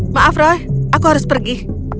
maaf rah aku harus pergi